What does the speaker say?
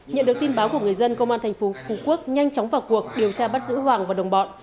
nhận được tin báo của người dân công an thành phố phú quốc nhanh chóng vào cuộc điều tra bắt giữ hoàng và đồng bọn